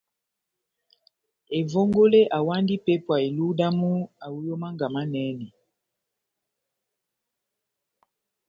Evongole awandi ipépwa iluhu damu awi ó Mánga Manɛnɛ.